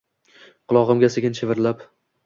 Qulog’imga sekin shivirlab